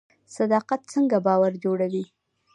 صداقت څنګه باور جوړوي؟